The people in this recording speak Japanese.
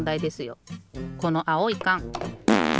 このあおいかん。